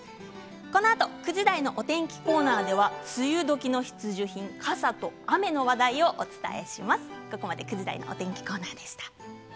このあと９時台のお天気コーナーでは梅雨時の必需品傘と雨の話題をお伝えします。